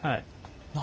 何？